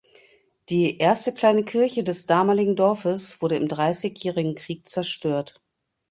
Die erste kleine Kirche des damaligen Dorfes wurde im Dreißigjährigen Krieg zerstört.